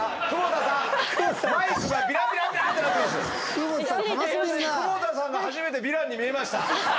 久保田さんが初めてヴィランに見えました。